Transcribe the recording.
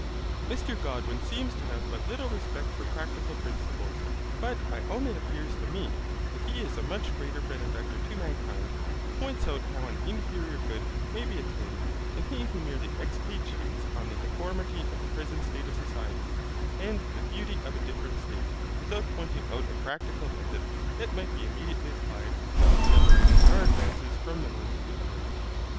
Mr Godwin seems to have but little respect for practical principles; but I own it appears to me, that he is a much greater benefactor to mankind, who points out how an inferior good may be attained, than he who merely expatiates on the deformity of the present state of society, and the beauty of a different state, without pointing out a practical method, that might be immediately applied, of accelerating our advances from the one, to the other.